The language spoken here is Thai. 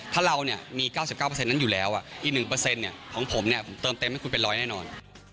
ถ้าเรามี๙๙นั้นอยู่แล้วอีก๑ของผมเนี่ยผมเติมเต็มให้คุณเป็น๑๐๐แน่นอน